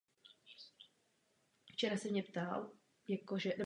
V České republice byla vyhlášena jako "Miss tisíciletí".